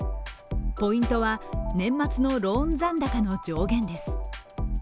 ポイントは年末のローン残高の上限です。